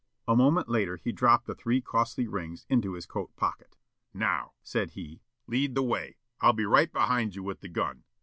A moment later he dropped the three costly rings into his coat pocket. "Now," said he, "lead the way. I'll be right behind you with the gun.